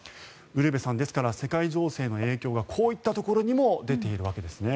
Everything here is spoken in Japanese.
ウルヴェさんですから世界情勢の影響がこういったところにも出てるわけですね。